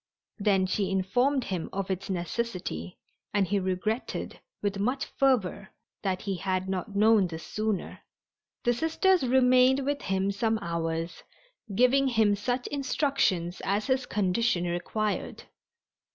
Then she informed him of its necessity, and he regretted, with much fervor, that he had not known this sooner. The Sisters remained with him some hours, giving him such instructions as his condition required.